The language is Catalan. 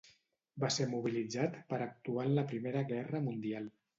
Va ser mobilitzat per actuar en la Primera Guerra Mundial.